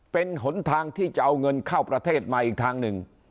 เป็นหนทางที่จะเอาเงินเข้าประเทศมาอีกทางหนึ่ง